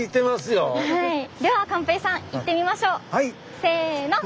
では寛平さん行ってみましょう！